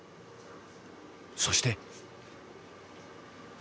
そして。